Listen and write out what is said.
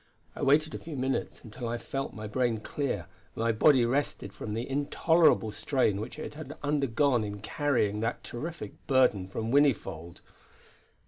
I waited a few minutes until I felt my brain clear, and my body rested from the intolerable strain which it had undergone in carrying that terrific burden from Whinnyfold.